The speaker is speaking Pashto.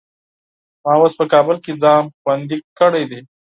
ما اوس په کابل کې ځان خوندي کړی دی.